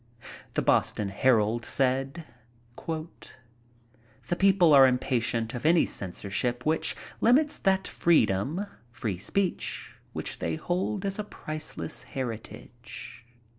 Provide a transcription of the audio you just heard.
The Boston Herald said: "The people are impatient of any censorship which limits that freedom (free speech) which they hold as a priceless heritage.